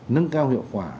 nâng cao hiệu quả